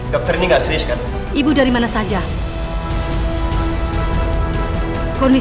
dokter ini gak selis kan